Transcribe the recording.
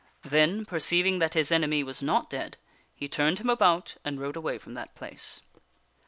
Then, perceiving that his enemy was not dead, he turned him about and rode away from that place.